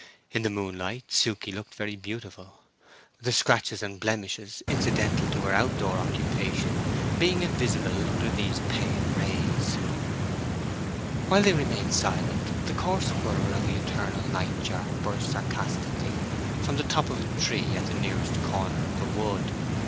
In the moonlight Suke looked very beautiful, the scratches and blemishes incidental to her out door occupation being invisible under these pale rays. While they remain silent the coarse whir of the eternal night jar burst sarcastically from the top of a tree at the nearest corner of the wood.